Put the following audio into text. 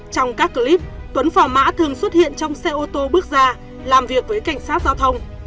trong các clip tuấn phò mã thường xuất hiện trong xe ô tô bước ra làm việc với cảnh sát giao thông